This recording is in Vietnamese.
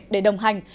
để đồng hành